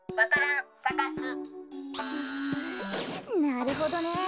なるほどね。